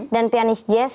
dan pianis jazz